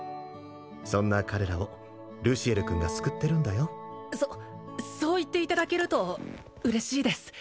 そんな彼らをルシエル君が救ってるんだよそそう言っていただけると嬉しいです